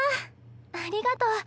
ありがとう。